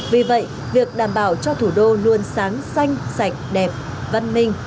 vì vậy việc đảm bảo cho thủ đô luôn sáng xanh sạch đẹp văn minh